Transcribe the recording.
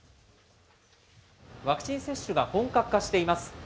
ワクチン接種が本格化しています。